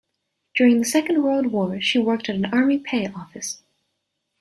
During the Second World War she worked at an Army Pay Office.